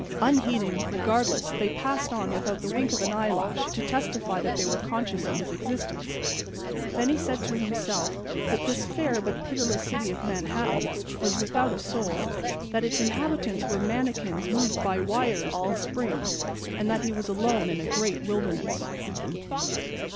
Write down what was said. Unheeding, regardless, they passed on without the wink of an eyelash to testify that they were conscious of his existence. And then he said to himself that this fair but pitiless city of Manhattan was without a soul; that its inhabitants were manikins moved by wires and springs, and that he was alone in a great wilderness.